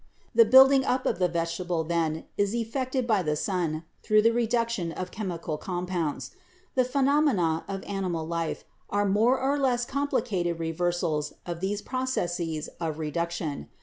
"The building up of the vegetable, then, is effected by the sun, through the reduction of chemical compounds. The phenomena of animal life are more or less complicated reversals of these processes of reduction.